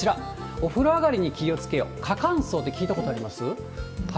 お風呂上がりに気をつけよう、過乾燥って聞いたことあります？